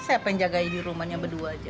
saya pengen jagain di rumahnya berdua aja